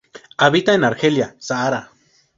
Habita en Argelia, Sahara.